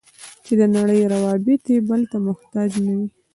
چې د نړۍ روابط یې بل ته محتاج نه وي.